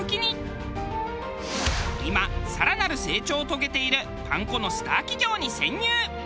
今更なる成長を遂げているパン粉のスター企業に潜入。